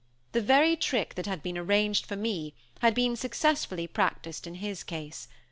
The very trick that had been arranged for me, had been successfully practiced in his case.